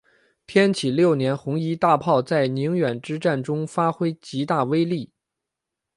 天启六年红夷大炮在宁远之战中发挥极大威力。